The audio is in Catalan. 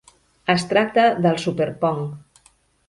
Es tracta del "Superpong".